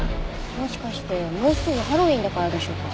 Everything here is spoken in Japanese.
もしかしてもうすぐハロウィーンだからでしょうか？